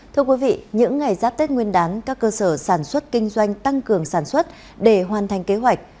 thưa quý vị những ngày giáp tết nguyên đán các cơ sở sản xuất kinh doanh tăng cường sản xuất để hoàn thành kế hoạch